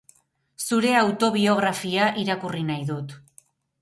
Zure autobiografia irakurri nahi dut.